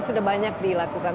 sudah banyak dilakukan